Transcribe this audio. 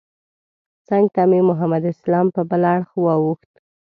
څنګ ته مې محمد اسلام په بل اړخ واوښت.